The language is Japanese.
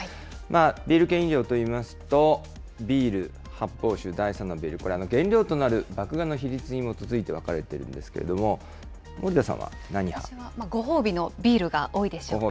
ビール系飲料といいますと、ビール、発泡酒、第３のビール、これ、原料となる麦芽の比率に基づいて分かれているんですけれども、ご褒美のビールが多いでしょうか。